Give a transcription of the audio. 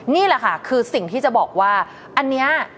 นี่แหละค่ะคือสิ่งที่จะบอกว่าอันนี้